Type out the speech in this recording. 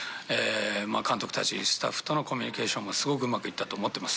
監督たちスタッフとのコミュニケーションもすごくうまく行ったと思ってます